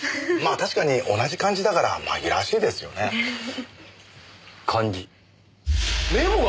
まあ確かに同じ漢字だから紛らわしいですよねえ。